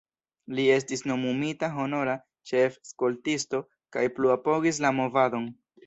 Li estis nomumita honora ĉef-skoltisto kaj plu apogis la movadon.